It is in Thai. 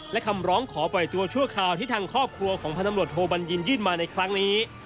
และคำร้องขอปล่อยตัวชั่วคราวที่ทางครอบครัวของพันธมรวจโทบัญญินยื่นมาในครั้งนี้